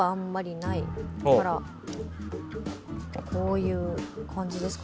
こういう感じですかね。